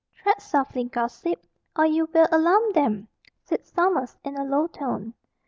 "Tread softly, gossip, or you will alarm them," said Sommers, in a low tone.